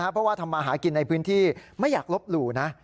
เพราะว่าทำมาหากินในพื้นที่ไม่อยากลบหลู่นะ